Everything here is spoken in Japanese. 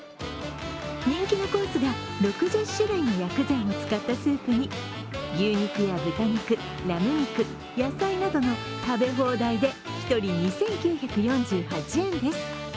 人気のコースが６０種類の薬膳を使ったスープに牛肉や豚肉、ラム肉、野菜などの食べ放題で１人２９４８円です。